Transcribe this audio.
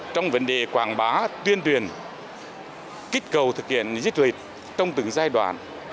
trong vấn đề quảng bá tuyên truyền kích cầu thực hiện dịch lịch trong từng giai đoạn